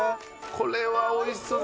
これはおいしそう。